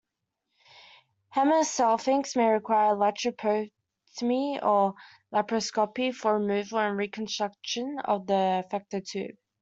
Hematosalpinx may require laprotomy or laparoscopy for removal and reconstruction of affected tube.